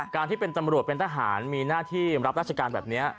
การที่เป็นตำรวจเป็นทหารมีหน้าที่รับราชการแบบนี้